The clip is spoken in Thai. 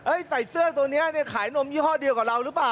ใส่เสื้อตัวนี้เนี่ยขายนมยี่ห้อเดียวกับเราหรือเปล่า